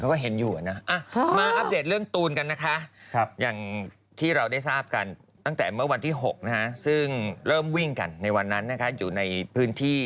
ก็เห็นอยู่นะมาอัปเดตเรื่องตูนกันนะคะอย่างที่เราได้ทราบกันตั้งแต่เมื่อวันที่๖ซึ่งเริ่มวิ่งกันในวันนั้นนะคะอยู่ในพื้นที่